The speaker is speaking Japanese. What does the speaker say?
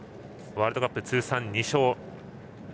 ワールドカップ通算２勝。